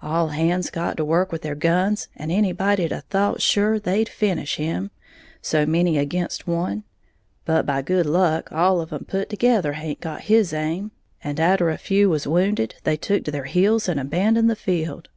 All hands got to work with their guns, and anybody'd a thought sure they'd finish him, so many ag'in' one; but by good luck all of 'em put together haint got his aim, and atter a few was wounded, they took to their heels and abandoned the field.